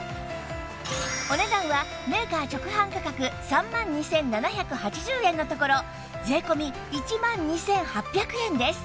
お値段はメーカー直販価格３万２７８０円のところ税込１万２８００円です